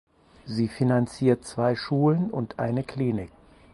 Sie finanziert zwei Schulen und eine Klinik.